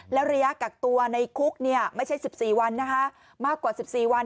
แล้วระยะกักตัวในคุกไม่ใช่๑๔วันนะคะมากกว่า๑๔วัน